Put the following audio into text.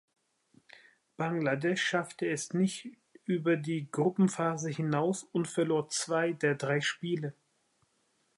Bangladesch schaffte es nicht über die Gruppenphase hinaus und verlor zwei der drei Spiele.